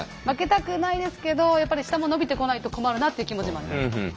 負けたくないですけどやっぱり下も伸びてこないと困るなっていう気持ちもあります。